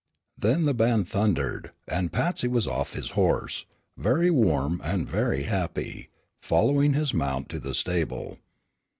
Then the band thundered, and Patsy was off his horse, very warm and very happy, following his mount to the stable.